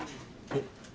えっ？